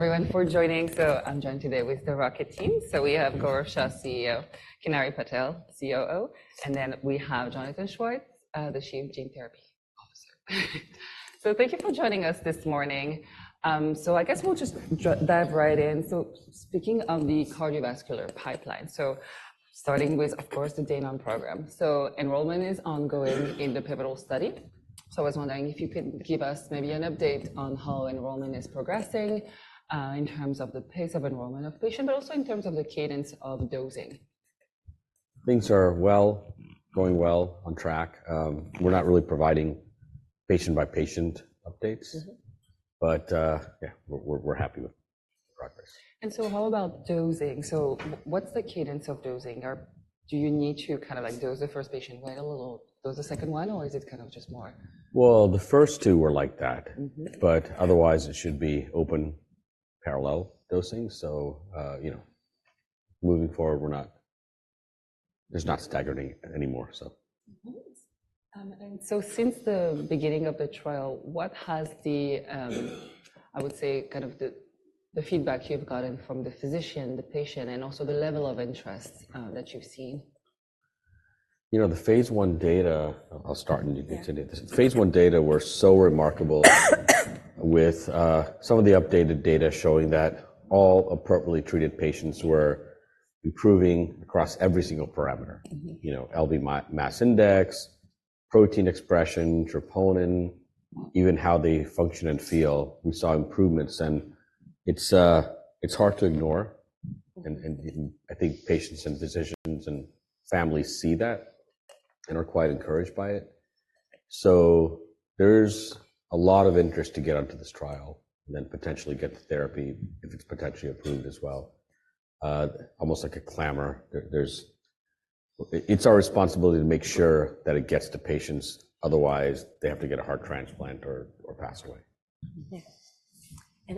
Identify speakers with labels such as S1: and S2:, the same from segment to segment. S1: Everyone for joining. So I'm joined today with the Rocket team. So we have Gaurav Shah, CEO; Kinnari Patel, COO; and then we have Jonathan Schwartz, the chief gene therapy officer. So thank you for joining us this morning. So I guess we'll just dive right in. So speaking on the cardiovascular pipeline, so starting with, of course, the Danon program. So enrollment is ongoing in the pivotal study. So I was wondering if you could give us maybe an update on how enrollment is progressing, in terms of the pace of enrollment of patients, but also in terms of the cadence of dosing.
S2: Things are well, going well, on track. We're not really providing patient-by-patient updates-
S1: Mm-hmm.
S2: But, yeah, we're happy with the progress.
S1: So how about dosing? So what's the cadence of dosing? Or do you need to dose the first patient, wait a little, dose the second one, or is it kind of just more?
S2: Well, the first two were like that.
S1: Mm-hmm.
S2: Otherwise, it should be open parallel dosing. So, you know, moving forward, we're not... There's not staggered anymore, so.
S1: Mm-hmm. And so since the beginning of the trial, what has the—I would say, kind of, the feedback you've gotten from the physician, the patient, and also the level of interest that you've seen?
S2: You know, the phase 1 data. I'll start, and you continue this.
S1: Yeah.
S2: Phase 1 data were so remarkable, with some of the updated data showing that all appropriately treated patients were improving across every single parameter.
S1: Mm-hmm.
S2: You know, LV mass index, protein expression, Troponin-
S1: Mm...
S2: even how they function and feel, we saw improvements, and it's, it's hard to ignore.
S1: Mm.
S2: I think patients and physicians and families see that and are quite encouraged by it. So there's a lot of interest to get onto this trial and then potentially get the therapy, if it's potentially approved as well. Almost like a clamor. There's a clamor. It's our responsibility to make sure that it gets to patients. Otherwise, they have to get a heart transplant or pass away.
S1: Mm-hmm.
S3: Yes.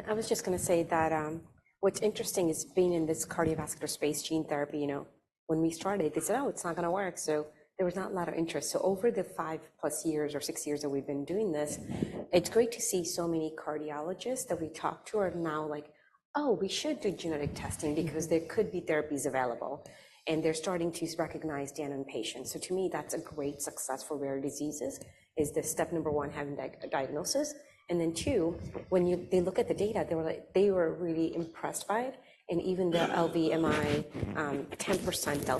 S3: I was just gonna say that, what's interesting is, being in this cardiovascular space, gene therapy, you know, when we started, they said, "Oh, it's not gonna work." So there was not a lot of interest. So over the 5+ years or 6 years that we've been doing this, it's great to see so many cardiologists that we talk to are now like, "Oh, we should do genetic testing because there could be therapies available," and they're starting to recognize Danon patients. So to me, that's a great success for rare diseases, is the step number one, having a diagnosis, and then two, when they look at the data, they were really impressed by it. And even the LVMI, 10% delta. All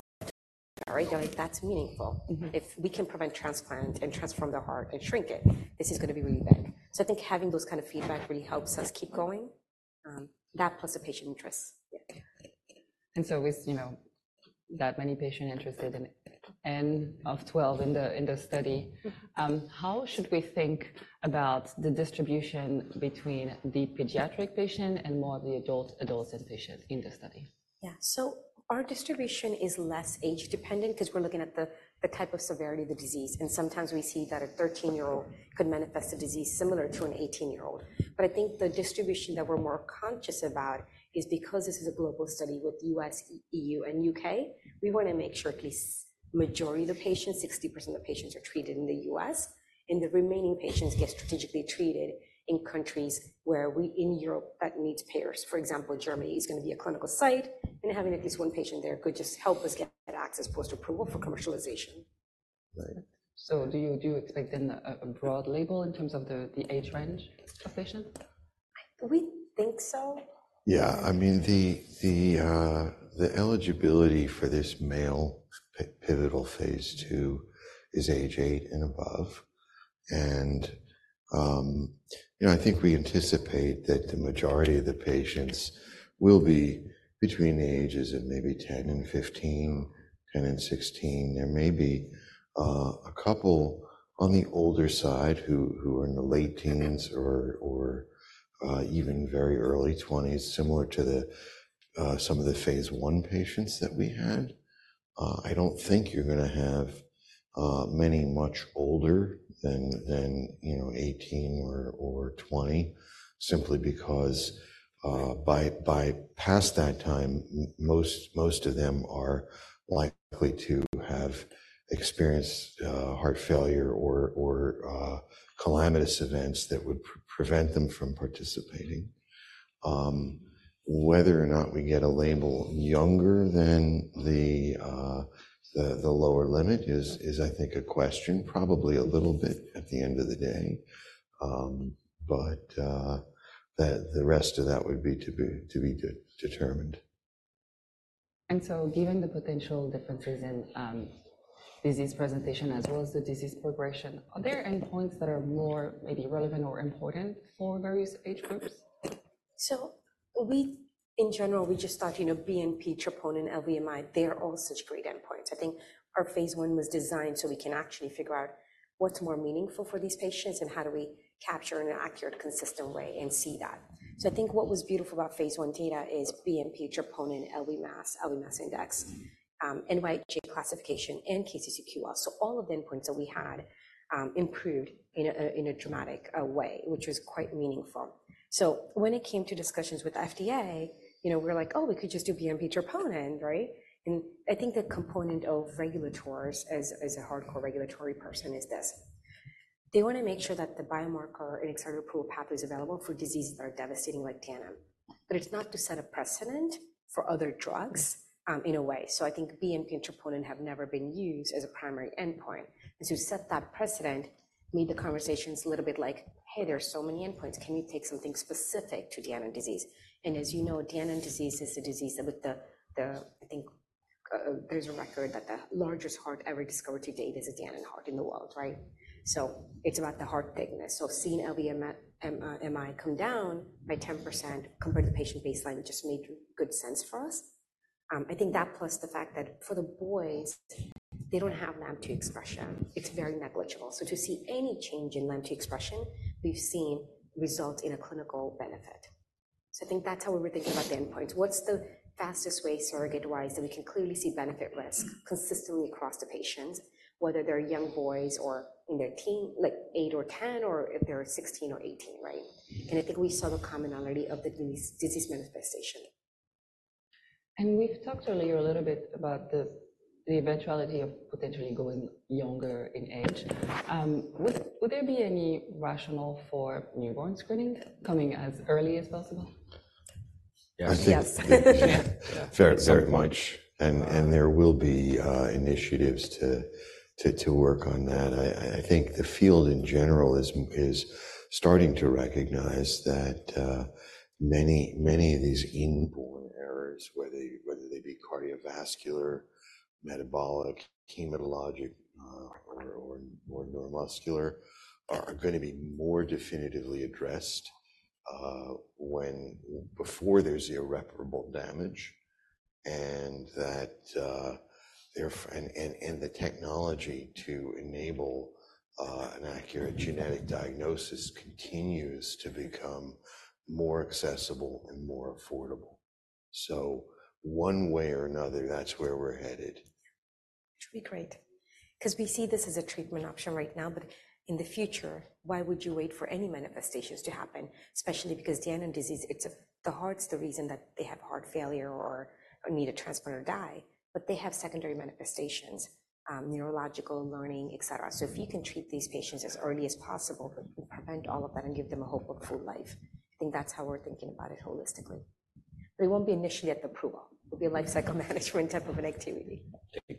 S3: right, like, that's meaningful.
S1: Mm-hmm.
S3: If we can prevent transplant and transform the heart and shrink it, this is gonna be really big. So I think having those kind of feedback really helps us keep going, plus the patient interest.
S1: Yeah. And so with, you know, that many patients interested in it, N of 12 in the study-
S3: Mm...
S1: how should we think about the distribution between the pediatric patient and more of the adult patients in the study?
S3: Yeah. So our distribution is less age dependent 'cause we're looking at the type of severity of the disease, and sometimes we see that a 13-year-old could manifest a disease similar to an 18-year-old. But I think the distribution that we're more conscious about is, because this is a global study with U.S., EU, and U.K., we wanna make sure at least majority of the patients, 60% of patients, are treated in the U.S., and the remaining patients get strategically treated in countries where we, in Europe, that needs payers. For example, Germany is gonna be a clinical site, and having at least one patient there could just help us get access post-approval for commercialization.
S2: Right.
S1: Do you expect then a broad label in terms of the age range of patients?
S3: Do we think so?
S4: Yeah. I mean, the eligibility for this male pivotal phase 2 is age 8 and above. And, you know, I think we anticipate that the majority of the patients will be between the ages of maybe 10 and 15, 10 and 16. There may be a couple on the older side who are in the late teens or even very early twenties, similar to some of the phase 1 patients that we had. I don't think you're gonna have many much older than, you know, 18 or 20, simply because by past that time, most of them are likely to have experienced heart failure or calamitous events that would prevent them from participating. Whether or not we get a label younger than the lower limit is, I think, a question, probably a little bit at the end of the day. But the rest of that would be to be determined.
S1: Given the potential differences in disease presentation as well as the disease progression, are there any points that are more maybe relevant or important for various age groups?
S3: So, in general, we just thought, you know, BNP, troponin, LVMI, they're all such great endpoints. I think our phase 1 was designed so we can actually figure out what's more meaningful for these patients and how do we capture in an accurate, consistent way and see that. So I think what was beautiful about phase 1 data is BNP, troponin, LV mass, LV mass index-
S2: Mm...
S3: NYHA classification, and KCCQ also. All of the endpoints that we had, improved in a, in a dramatic, way, which was quite meaningful. So when it came to discussions with FDA, you know, we're like, "Oh, we could just do BNP troponin," right? And I think the component of regulators as, as a hardcore regulatory person is this... They want to make sure that the biomarker and accelerated approval pathway is available for diseases that are devastating like Danon, but it's not to set a precedent for other drugs, in a way. So I think BNP and troponin have never been used as a primary endpoint. And to set that precedent made the conversations a little bit like, "Hey, there are so many endpoints. Can we take something specific to Danon disease?" And as you know, Danon disease is a disease that with the, I think, there's a record that the largest heart ever discovered to date is a Danon heart in the world, right? So it's about the heart thickness. So seeing LVMI come down by 10% compared to patient baseline just made good sense for us. I think that plus the fact that for the boys, they don't have LAMP2 expression. It's very negligible. So to see any change in LAMP2 expression, we've seen result in a clinical benefit. So I think that's how we were thinking about the endpoints. What's the fastest way, surrogate-wise, that we can clearly see benefit risk consistently across the patients, whether they're young boys or in their teen, like 8 or 10, or if they're 16 or 18, right? I think we saw the commonality of the disease, disease manifestation.
S1: We've talked earlier a little bit about the eventuality of potentially going younger in age. Would there be any rationale for newborn screening coming as early as possible?
S3: Yes.
S4: I think-
S5: Yeah.
S4: Very, very much. And there will be initiatives to work on that. I think the field in general is starting to recognize that many, many of these inborn errors, whether they be cardiovascular, metabolic, hematologic, or neuromuscular, are gonna be more definitively addressed before there's irreparable damage, and that the technology to enable an accurate genetic diagnosis continues to become more accessible and more affordable. So one way or another, that's where we're headed.
S3: Which would be great, 'cause we see this as a treatment option right now, but in the future, why would you wait for any manifestations to happen? Especially because Danon disease, it's a—the heart's the reason that they have heart failure or need a transplant or die, but they have secondary manifestations, neurological, learning, et cetera. So if you can treat these patients as early as possible, then you prevent all of that and give them a hopeful full life. I think that's how we're thinking about it holistically. But it won't be initially at the approval. It'll be a life cycle management type of an activity.
S2: Yeah.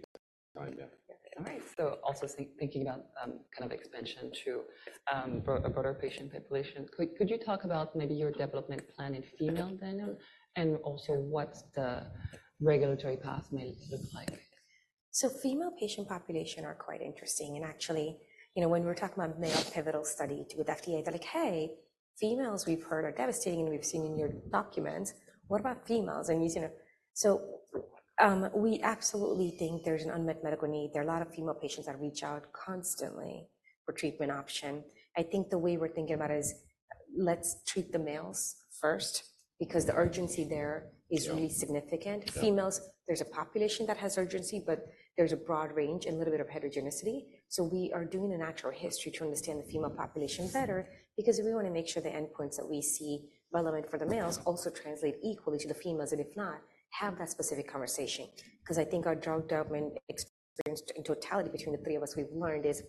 S1: All right. So also thinking about kind of expansion to a broader patient population. Could you talk about maybe your development plan in female Danon, and also what the regulatory path may look like?
S3: So female patient population are quite interesting, and actually, you know, when we're talking about male pivotal study with FDA, they're like: "Hey, females we've heard are devastating, and we've seen in your documents. What about females? And you see the..." So, we absolutely think there's an unmet medical need. There are a lot of female patients that reach out constantly for treatment option. I think the way we're thinking about it is, let's treat the males first, because the urgency there-
S4: Yeah...
S3: is really significant.
S4: Yeah.
S3: Females, there's a population that has urgency, but there's a broad range and a little bit of heterogeneity. So we are doing a natural history to understand the female population better, because we wanna make sure the endpoints that we see relevant for the males also translate equally to the females, and if not, have that specific conversation. 'Cause I think our drug development experience in totality between the three of us, we've learned is,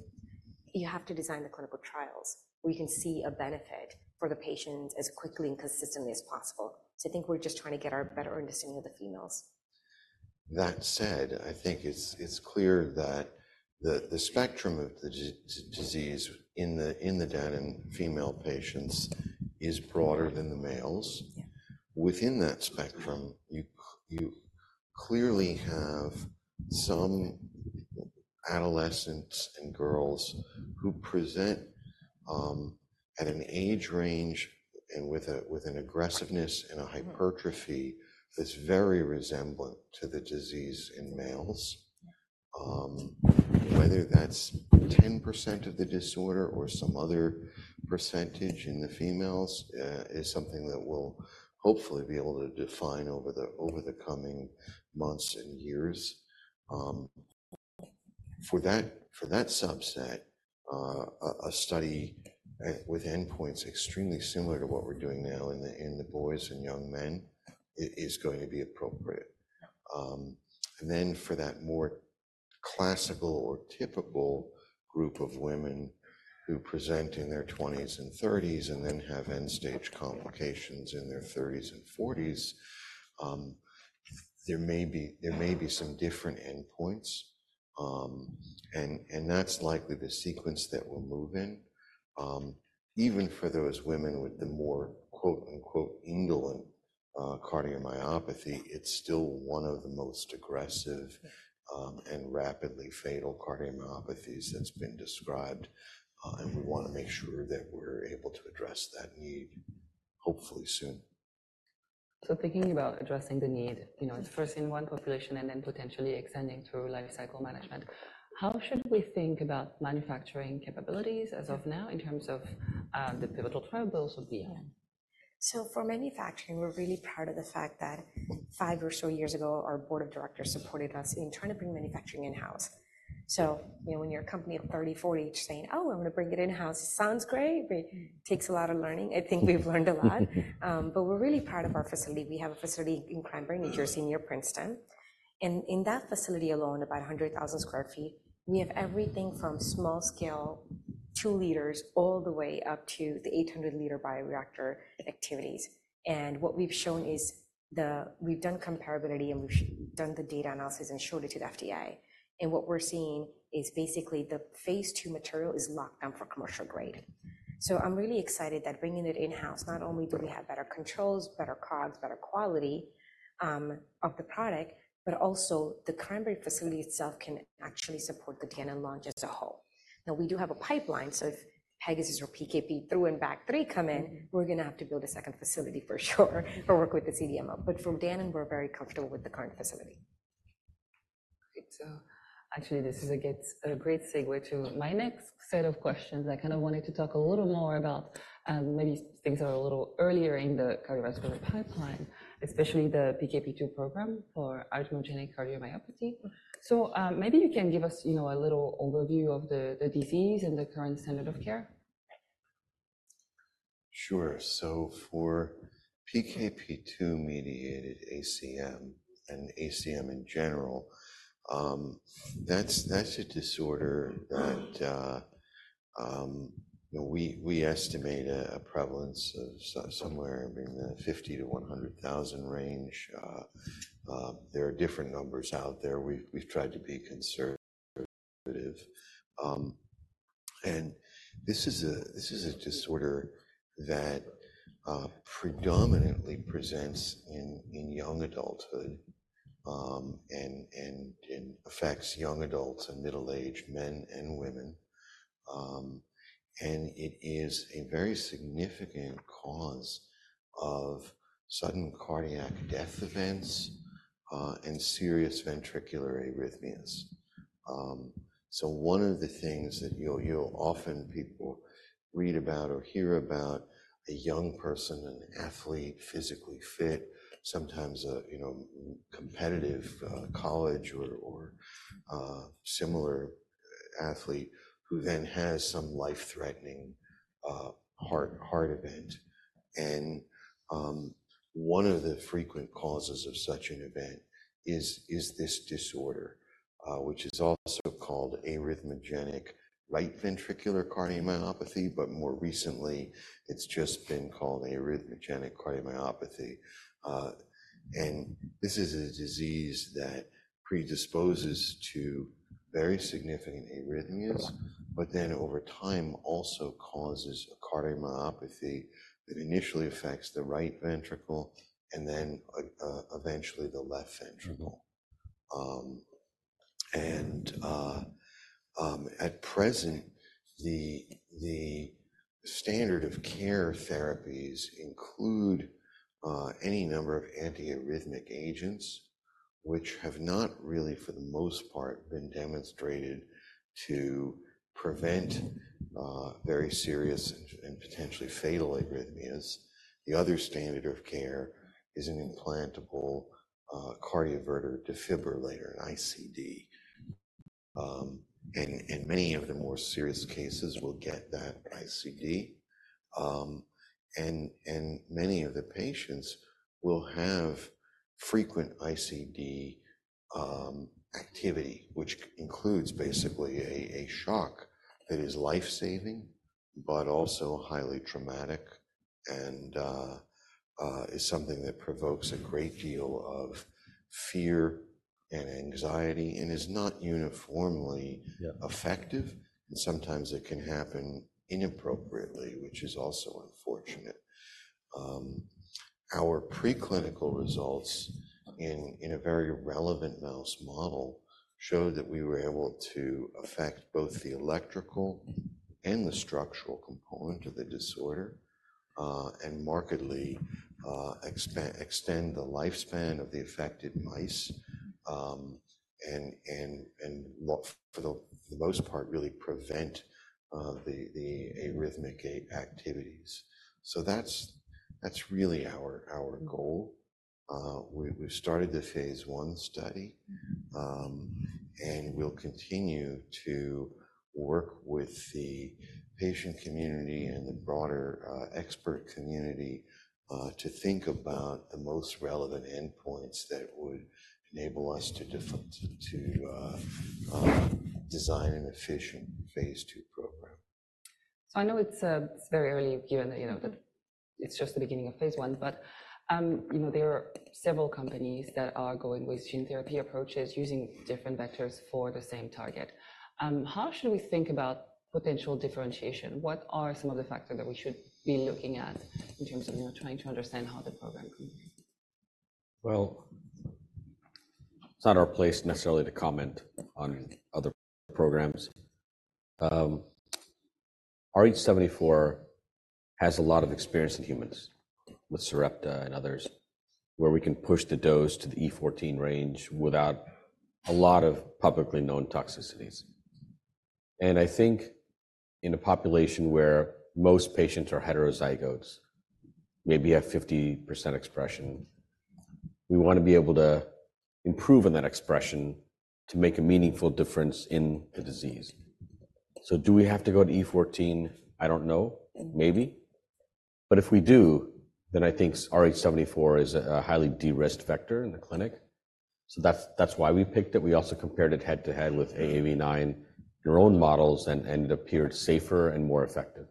S3: you have to design the clinical trials, where you can see a benefit for the patients as quickly and consistently as possible. So I think we're just trying to get our better understanding of the females.
S4: That said, I think it's clear that the spectrum of the disease in the Danon female patients is broader than the males.
S3: Yeah.
S4: Within that spectrum, you clearly have some adolescents and girls who present at an age range and with a, with an aggressiveness and a hypertrophy that's very resemblant to the disease in males.
S3: Yeah.
S4: Whether that's 10% of the disorder or some other percentage in the females is something that we'll hopefully be able to define over the coming months and years. For that subset, a study with endpoints extremely similar to what we're doing now in the boys and young men is going to be appropriate.
S3: Yeah.
S4: And then for that more classical or typical group of women who present in their twenties and thirties, and then have end-stage complications in their thirties and forties, there may be some different endpoints. And that's likely the sequence that we'll move in. Even for those women with the more, "indolent," cardiomyopathy, it's still one of the most aggressive-
S3: Yeah...
S4: and rapidly fatal cardiomyopathies that's been described, and we wanna make sure that we're able to address that need hopefully soon.
S1: Thinking about addressing the need, you know, it's first in one population and then potentially extending through life cycle management. How should we think about manufacturing capabilities as of now, in terms of, the pivotal trials or beyond?...
S3: So for manufacturing, we're really proud of the fact that five or so years ago, our board of directors supported us in trying to bring manufacturing in-house. So, you know, when you're a company of 30, 40, each saying, "Oh, I'm gonna bring it in-house," sounds great, but it takes a lot of learning. I think we've learned a lot. But we're really proud of our facility. We have a facility in Cranbury, New Jersey, near Princeton, and in that facility alone, about 100,000 sq ft, we have everything from small scale, 2 liters, all the way up to the 800-liter bioreactor activities. And what we've shown is-- We've done comparability, and we've done the data analysis and showed it to the FDA. And what we're seeing is basically the phase two material is locked down for commercial grade. So I'm really excited that bringing it in-house, not only do we have better controls, better COGS, better quality of the product, but also the Cranbury facility itself can actually support the Danon launch as a whole. Now, we do have a pipeline, so if RP-A601 or PKP2 and BAG3 come in, we're gonna have to build a second facility for sure, or work with the CDMO. But for Danon, we're very comfortable with the current facility.
S1: Great. So actually, this is a great segue to my next set of questions. I kind of wanted to talk a little more about, maybe things that are a little earlier in the cardiovascular pipeline, especially the PKP2 program for arrhythmogenic cardiomyopathy. So, maybe you can give us, you know, a little overview of the, the disease and the current standard of care.
S4: Sure. So for PKP2-mediated ACM and ACM in general, that's a disorder that we estimate a prevalence of somewhere in the 50-100,000 range. There are different numbers out there. We've tried to be conservative. And this is a disorder that predominantly presents in young adulthood and affects young adults and middle-aged men and women. And it is a very significant cause of sudden cardiac death events and serious ventricular arrhythmias. So one of the things that you'll often people read about or hear about a young person, an athlete, physically fit, sometimes you know, competitive college or similar athlete who then has some life-threatening heart event. One of the frequent causes of such an event is this disorder, which is also called arrhythmogenic right ventricular cardiomyopathy, but more recently, it's just been called arrhythmogenic cardiomyopathy. This is a disease that predisposes to very significant arrhythmias, but then over time, also causes a cardiomyopathy that initially affects the right ventricle and then eventually the left ventricle. At present, the standard of care therapies include any number of antiarrhythmic agents, which have not really, for the most part, been demonstrated to prevent very serious and potentially fatal arrhythmias. The other standard of care is an implantable cardioverter defibrillator, an ICD. Many of the more serious cases will get that ICD. Many of the patients will have frequent ICD activity, which includes basically a shock that is life-saving but also highly traumatic and is something that provokes a great deal of fear and anxiety and is not uniformly-
S1: Yeah...
S4: effective, and sometimes it can happen inappropriately, which is also unfortunate. Our preclinical results in a very relevant mouse model showed that we were able to affect both the electrical and the structural component of the disorder, and markedly extend the lifespan of the affected mice, and for the most part, really prevent the arrhythmic activities. So that's really our goal. We started the phase 1 study-
S1: Mm-hmm.
S4: And we'll continue to work with the patient community and the broader expert community to think about the most relevant endpoints that would enable us to design an efficient phase 2 program.
S1: So I know it's, it's very early, given that, you know, that it's just the beginning of phase 1, but, you know, there are several companies that are going with gene therapy approaches, using different vectors for the same target. How should we think about potential differentiation? What are some of the factors that we should be looking at in terms of, you know, trying to understand how the program could be?
S2: Well, it's not our place necessarily to comment on other programs. rh74 has a lot of experience in humans with Sarepta and others, where we can push the dose to the E14 range without a lot of publicly known toxicities.... I think in a population where most patients are heterozygotes, maybe have 50% expression, we want to be able to improve on that expression to make a meaningful difference in the disease. So do we have to go to E14? I don't know. Maybe. But if we do, then I think Rh74 is a highly de-risked vector in the clinic. So that's why we picked it. We also compared it head-to-head with AAV9 neuro models, and it appeared safer and more effective.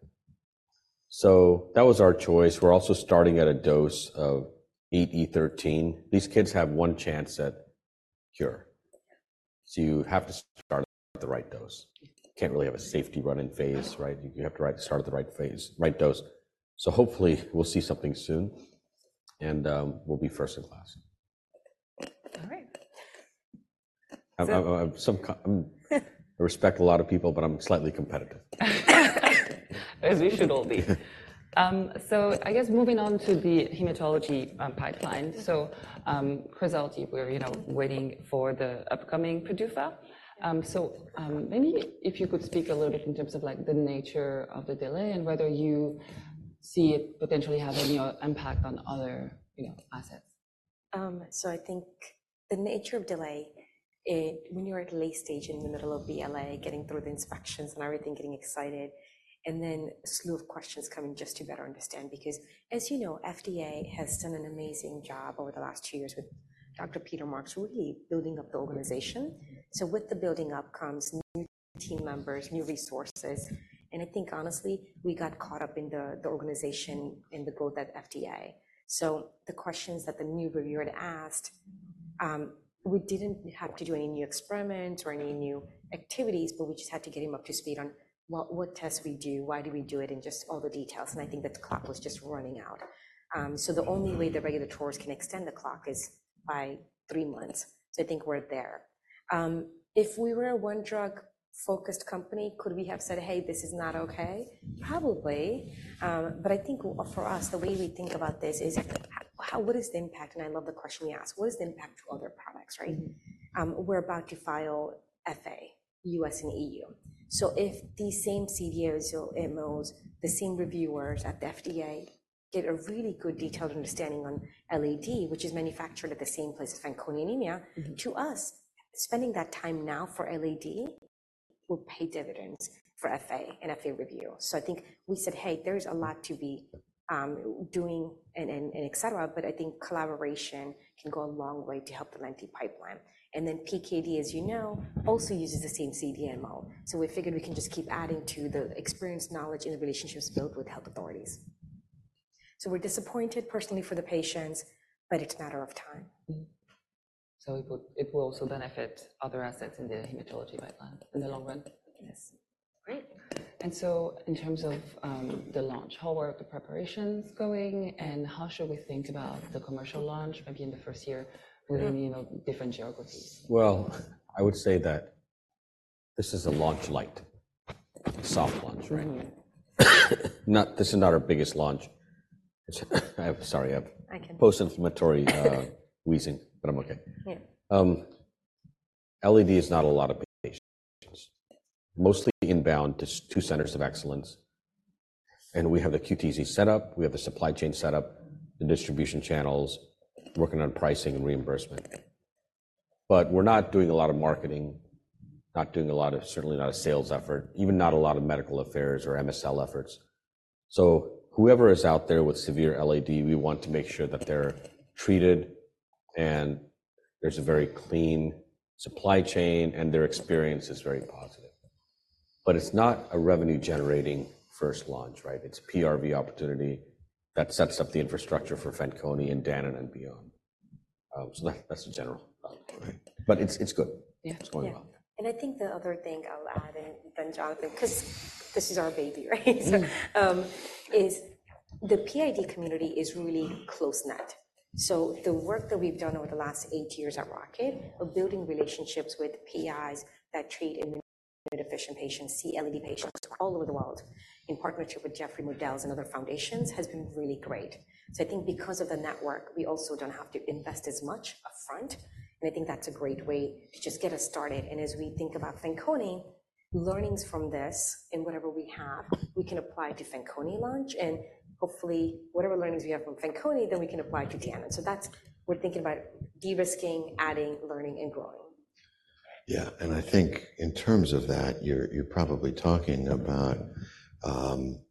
S2: So that was our choice. We're also starting at a dose of 8 E13. These kids have one chance at cure, so you have to start at the right dose. You can't really have a safety running phase, right? You have to start at the right phase, right dose. So hopefully, we'll see something soon, and we'll be first in class.
S1: All right.
S2: I respect a lot of people, but I'm slightly competitive.
S1: As we should all be. So, I guess moving on to the hematology pipeline. So, we're, you know, waiting for the upcoming PDUFA. So, maybe if you could speak a little bit in terms of, like, the nature of the delay and whether you see it potentially having impact on other, you know, assets.
S3: So I think the nature of delay, when you're at late stage in the middle of BLA, getting through the inspections and everything, getting excited, and then a slew of questions coming just to better understand. Because, as you know, FDA has done an amazing job over the last two years with Dr. Peter Marks, really building up the organization. So with the building up comes new team members, new resources, and I think honestly, we got caught up in the organization, in the growth at FDA. So the questions that the new reviewer had asked, we didn't have to do any new experiments or any new activities, but we just had to get him up to speed on what tests we do, why do we do it, and just all the details, and I think the clock was just running out. So the only way the regulators can extend the clock is by three months, so I think we're there. If we were a one-drug-focused company, could we have said, "Hey, this is not okay?" Probably. But I think for us, the way we think about this is, what is the impact? And I love the question we ask: What is the impact to other products, right?
S1: Mm-hmm.
S3: We're about to file FA, US and EU. So if the same CDMOs, the same reviewers at the FDA, get a really good, detailed understanding on LAD, which is manufactured at the same place as Fanconi anemia-
S1: Mm-hmm
S3: To us, spending that time now for LAD will pay dividends for FA and BLA review. So I think we said, "Hey, there's a lot to be doing, and et cetera," but I think collaboration can go a long way to help the lentiviral pipeline. And then PKD, as you know, also uses the same CDMO. So we figured we can just keep adding to the experience, knowledge, and the relationships built with health authorities. So we're disappointed personally for the patients, but it's a matter of time.
S1: Mm-hmm. So it will, it will also benefit other assets in the hematology pipeline in the long run?
S3: Yes.
S1: Great. So in terms of the launch, how are the preparations going, and how should we think about the commercial launch, maybe in the first year?
S3: Mm-hmm...
S1: within, you know, different geographies?
S2: Well, I would say that this is a launch light. A soft launch, right?
S1: Mm-hmm.
S2: This is not our biggest launch. Sorry, I have-
S1: I can-
S2: post-inflammatory wheezing, but I'm okay.
S1: Yeah.
S2: LAD is not a lot of patients.
S1: Yes.
S2: Mostly inbound to our two centers of excellence. We have the QTC set up. We have the supply chain set up, the distribution channels, working on pricing and reimbursement. But we're not doing a lot of marketing, not doing a lot of... Certainly not a sales effort, even not a lot of medical affairs or MSL efforts. So whoever is out there with severe LAD, we want to make sure that they're treated, and there's a very clean supply chain, and their experience is very positive. But it's not a revenue-generating first launch, right? It's a PRV opportunity that sets up the infrastructure for Fanconi and Danon and beyond. So that, that's the general outlook. But it's, it's good.
S1: Yeah.
S2: It's going well.
S3: Yeah. And I think the other thing I'll add in, then Jonathan, 'cause this is our baby, right?
S1: Mm-hmm.
S3: The PID community is really close-knit. So the work that we've done over the last eight years at Rocket, of building relationships with PIs that treat immunodeficient patients, LAD patients, all over the world, in partnership with Jeffrey Modell and other foundations, has been really great. So I think because of the network, we also don't have to invest as much upfront, and I think that's a great way to just get us started. And as we think about Fanconi, learnings from this, in whatever we have, we can apply to Fanconi launch, and hopefully, whatever learnings we have from Fanconi, then we can apply to Danon. So that's. We're thinking about de-risking, adding, learning, and growing.
S4: Yeah, and I think in terms of that, you're, you're probably talking about,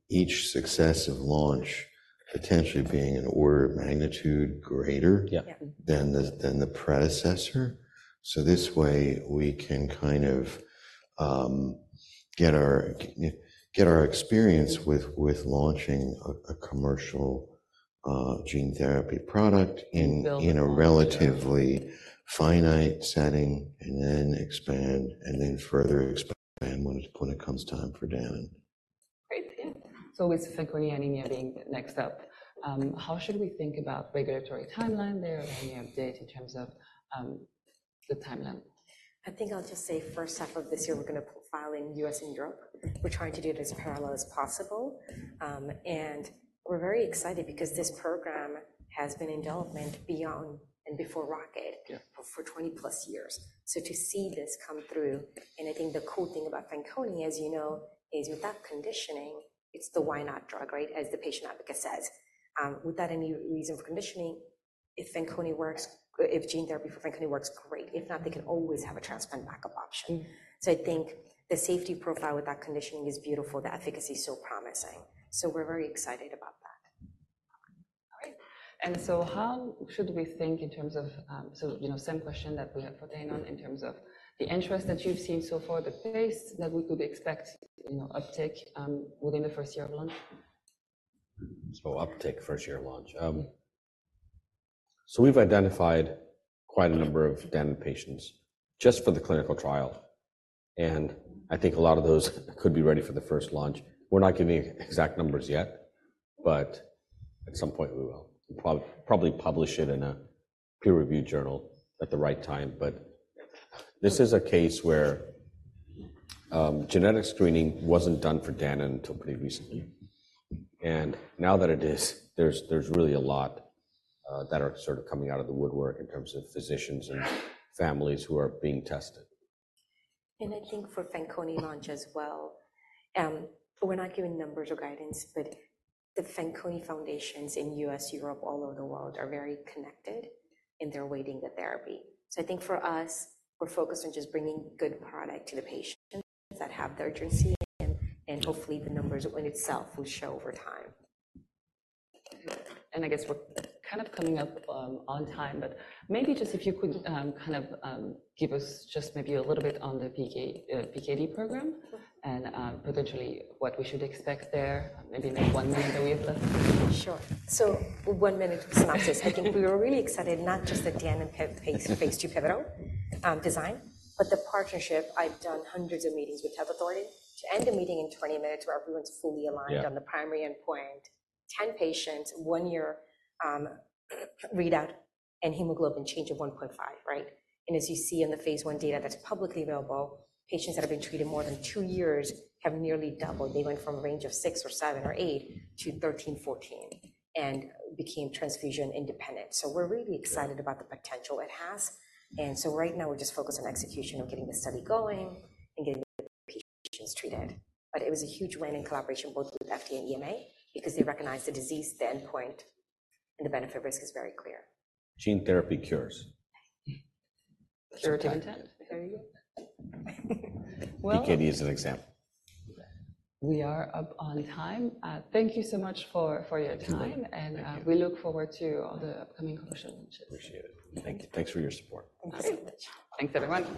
S4: each successive launch potentially being an order of magnitude greater-
S2: Yeah.
S3: Yeah...
S4: than the predecessor. So this way, we can kind of get our experience with launching a commercial gene therapy product-
S1: And build-
S4: -in a relatively finite setting, and then expand, and then further expand when it, when it comes time for Danon.
S1: Great. Yeah. So with Fanconi anemia being next up, how should we think about regulatory timeline there? Any update in terms of, the timeline?...
S3: I think I'll just say first half of this year, we're gonna file in the U.S. and Europe. We're trying to do it as parallel as possible. We're very excited because this program has been in development beyond and before Rocket-
S2: Yeah
S3: - for 20-plus years. So to see this come through, and I think the cool thing about Fanconi, as you know, is without conditioning, it's the why not drug, right? As the patient advocate says. Without any reason for conditioning, if Fanconi works, if gene therapy for Fanconi works, great. If not, they can always have a transplant backup option.
S2: Mm.
S3: I think the safety profile with that conditioning is beautiful. The efficacy is so promising. We're very excited about that.
S1: All right. And so how should we think in terms of, you know, same question that we have for Danon in terms of the interest that you've seen so far, the pace that we could expect, you know, uptick within the first year of launch?
S2: So uptick first year of launch. So we've identified quite a number of Danon patients just for the clinical trial, and I think a lot of those could be ready for the first launch. We're not giving exact numbers yet, but at some point, we will. Probably, probably publish it in a peer-reviewed journal at the right time, but this is a case where, genetic screening wasn't done for Danon until pretty recently. And now that it is, there's, there's really a lot, that are sort of coming out of the woodwork in terms of physicians and families who are being tested.
S3: I think for Fanconi launch as well, we're not giving numbers or guidance, but the Fanconi foundations in U.S., Europe, all over the world, are very connected, and they're awaiting the therapy. So I think for us, we're focused on just bringing good product to the patients that have the urgency, and hopefully the numbers in itself will show over time.
S1: I guess we're kind of coming up on time, but maybe just if you could kind of give us just maybe a little bit on the PK PKD program and potentially what we should expect there. Maybe like one minute that we have left.
S3: Sure. So 1-minute synopsis. I think we are really excited, not just the Danon RP- Phase II pivotal design, but the partnership. I've done hundreds of meetings with health authority. To end a meeting in 20 minutes where everyone's fully aligned-
S2: Yeah...
S3: on the primary endpoint, 10 patients, 1 year, readout, and hemoglobin change of 1.5, right? And as you see in the phase I data that's publicly available, patients that have been treated more than 2 years have nearly doubled. They went from a range of 6 or 7 or 8 to 13, 14 and became transfusion independent. So we're really-
S2: Yeah...
S3: excited about the potential it has. And so right now, we're just focused on execution of getting the study going and getting the patients treated. But it was a huge win in collaboration both with FDA and EMA because they recognized the disease, the endpoint, and the benefit-risk is very clear.
S2: Gene therapy cures.
S3: Curative intent. There you go.
S1: Well-
S2: PKD is an example.
S1: We are up on time. Thank you so much for your time.
S2: Thank you...
S1: and, we look forward to all the upcoming commercial launches.
S2: Appreciate it. Thank you. Thanks for your support.
S3: Thanks so much.
S1: Thanks, everyone.